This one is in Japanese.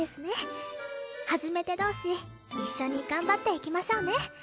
初めて同士一緒に頑張っていきましょうね！